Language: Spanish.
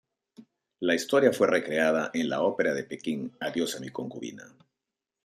La historia fue recreada en la ópera de Pekín Adios a mí concubina.